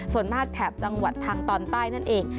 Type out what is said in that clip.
ส่วนมากแถบจังหวัดทางตอนใต้นั่นเอง